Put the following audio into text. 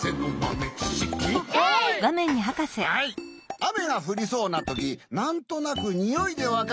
はい「あめがふりそうなときなんとなくにおいでわかる！」